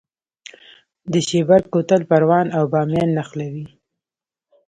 د شیبر کوتل پروان او بامیان نښلوي